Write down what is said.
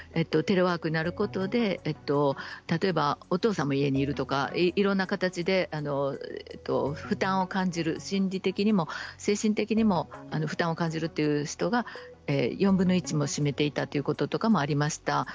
テレワークになることで例えば、お父さんも家にいるとかいろいろな形で負担を感じる心理的にも精神的にも負担を感じるという人が、４分の１も占めていたということもありました。